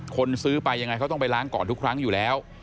คนซื้อไปยังไงเขาต้องไปล้างก่อนทุกครั้งอยู่แล้ว